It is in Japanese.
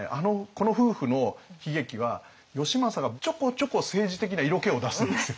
この夫婦の悲劇は義政がちょこちょこ政治的な色気を出すんですよ。